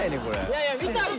いやいや見たいよ！